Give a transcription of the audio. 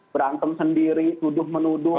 berantem sendiri tuduh menuduh